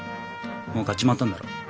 もう買っちまったんだろう？